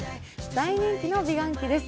大人気の美顔器です。